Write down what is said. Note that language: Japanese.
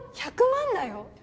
１００万だよ